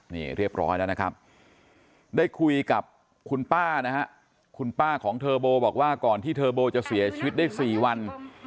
แล้วได้คุยกับคุณป้าน่ะคุณป้าของเทอร์โบบอกว่าก่อนที่เธอต้องจะเสียชีวิตได้สี่วัน